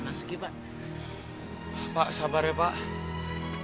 hai pak sabar ya pak